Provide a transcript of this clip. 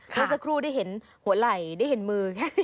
เมื่อสักครู่ได้เห็นหัวไหล่ได้เห็นมือ